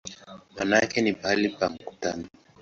Maana yake ni "mahali pa mkutano".